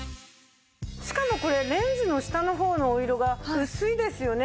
しかもこれレンズの下の方のお色が薄いですよね。